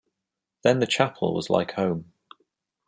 Then the chapel was like home.